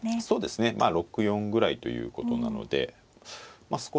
そうですねまあ６４ぐらいということなのでまあ